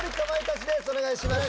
お願いします。